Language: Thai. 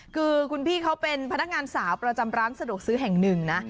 คือคุณพี่เขาเป็นพนักงานสาวประจำร้านสะดวกซื้อแห่งหนึ่งนะ